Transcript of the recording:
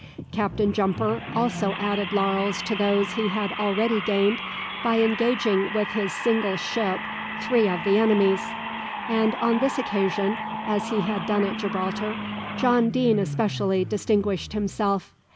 Captain Jumper also added laurels to those he had already gained, by engaging with his single ship three of the enemy's; and on this occasion, as he had done at Gibraltar, John Deane especially distinguished himself.